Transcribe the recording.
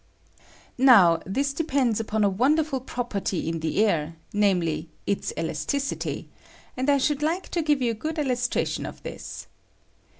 Now this depends upon a wonderful property in the air, namely, its elasticity, and I should like to give you a good illustration of this.